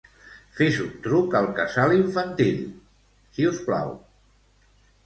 Fes un truc al casal infantil, si us plau.